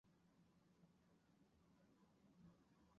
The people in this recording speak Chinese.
红胸薄翅萤金花虫为金花虫科薄翅萤金花虫属下的一个种。